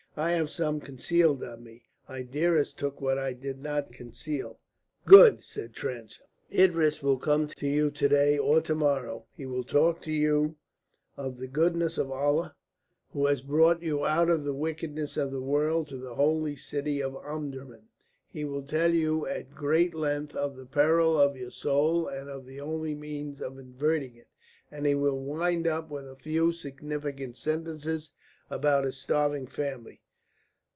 "I have some concealed on me. Idris took what I did not conceal." "Good!" said Trench. "Idris will come to you to day or to morrow. He will talk to you of the goodness of Allah who has brought you out of the wickedness of the world to the holy city of Omdurman. He will tell you at great length of the peril of your soul and of the only means of averting it, and he will wind up with a few significant sentences about his starving family.